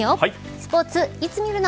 スポーツ、いつ見るの。